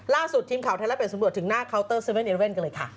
ล่าสุดทีมข่าวไทยและเป็นสมบูรณ์ถึงหน้าเคาน์เตอร์๗๑๑กันเลยค่ะ